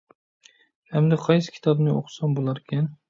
ئەمدى قايسى كىتابنى ئوقۇسام بولاركىن؟